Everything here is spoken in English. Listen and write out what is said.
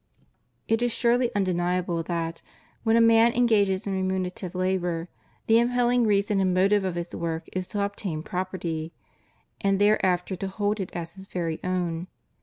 It is surely undeniable that, when a man engages in I remunerative labor, the impelling reason and motive of his work is to obtain property, and thereafter to hold it aa his very own.